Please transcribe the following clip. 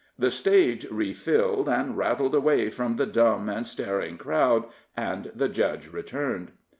The stage refilled, and rattled away from the dumb and staring crowd, and the judge returned.